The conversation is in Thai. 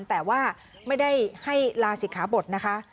แต่ว่าไม่ได้ให้ลาศิกขาบทนะคะ